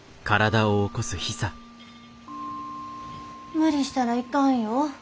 無理したらいかんよ。